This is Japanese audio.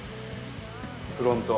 フロント。